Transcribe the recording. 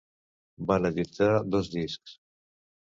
Van editar dos discs.